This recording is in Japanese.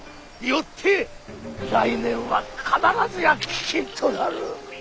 よって来年は必ずや飢饉となる。